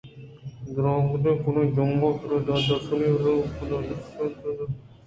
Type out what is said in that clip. ! درٛیگتیں کہ من جنگ ءِ پڑ دان درٛشی یلہ مہ کُتیںدان درٛشءَتُرٛندیءَپسّہ دات وتی گوٛستءَغمیگ بُوئگءَہچ نپے مان نیست